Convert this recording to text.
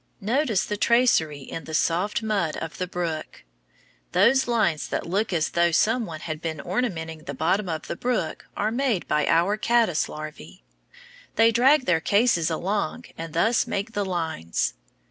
Notice the tracery in the soft mud of the brook. Those lines that look as though some one had been ornamenting the bottom of the brook are made by our caddice larvæ. They drag their cases along and thus make these lines.